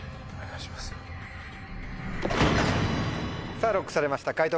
さぁＬＯＣＫされました解答